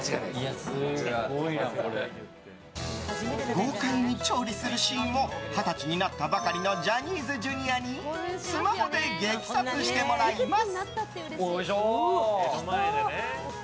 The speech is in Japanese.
豪快に調理するシーンを二十歳になったばかりのジャニーズＪｒにスマホで激撮してもらいます。